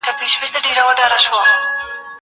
زه به سبا پاکوالي وساتم!